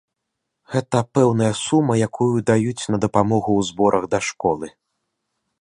Гэта пэўная сума, якую даюць на дапамогу ў зборах да школы.